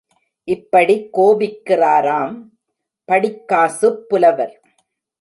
இப்படிக் கோபிக்கிறாராம் படிக்காசுப் புலவர்.